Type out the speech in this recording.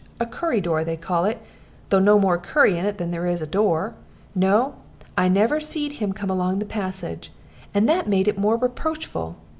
a 'currydoor' they call it now, though no more curry in it than there is door. No, I never seed him come along the passage, and that made it more reproachful.